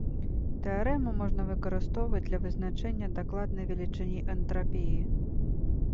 Тэарэму можна выкарыстоўваць для вызначэння дакладнай велічыні энтрапіі.